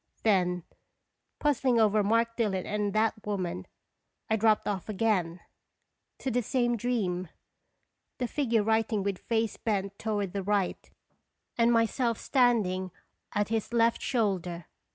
Then, puzzling over Mark Dillon and that woman, I dropped off again to the same dream the figure writing with face bent toward the right, and myself standing at his left shoulder.